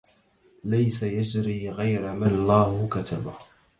ليس يجري غير ما الله كتب